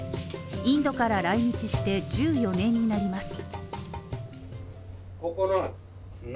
インドから来日して１４年になります。